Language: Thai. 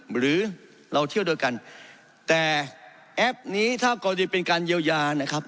หรือเราเที่ยวด้วยกันแต่แอปนี้ถ้ากรณีเป็นการเยียวยานะครับ